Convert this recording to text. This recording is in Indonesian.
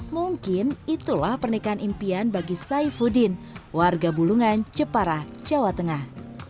mungkin itulah pernikahan impian bagi saifuddin warga bulungan jepara jawa tengah